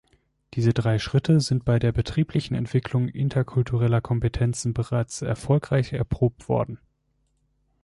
Diese drei Schritte sind bei der betrieblichen Entwicklung interkultureller Kompetenzen bereits erfolgreich erprobt worden.